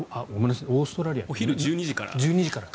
オーストラリアはお昼１２時から？